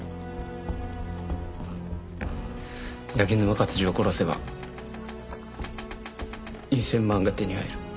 柳沼勝治を殺せば２０００万が手に入る。